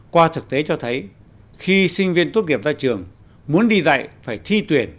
qua thực tế cho thấy khi sinh viên tốt nghiệp ra trường muốn đi dạy phải thi tuyển